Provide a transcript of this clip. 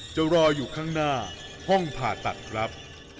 จะรออยู่ข้างหน้าห้องผ่าตัดครับ